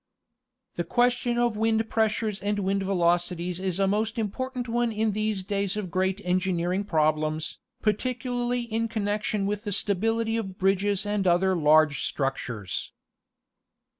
The question of wind pressures and wind velocities is a most important one in these days of great engineering problems, par ticularly in connection with the stability of bridges and other large structures.